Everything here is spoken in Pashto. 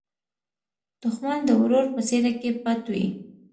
دښمن د ورور په څېره کې پټ وي